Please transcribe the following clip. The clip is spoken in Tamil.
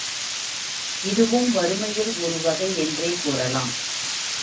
இதுவும் வறுமையில் ஒரு வகை என்றே கூறலாம்.